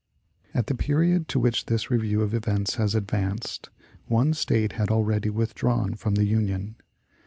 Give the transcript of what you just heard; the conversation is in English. At the period to which this review of events has advanced, one State had already withdrawn from the Union.